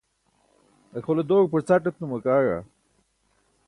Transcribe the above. akʰole doẏpa c̣aṭ etuma ke aẏa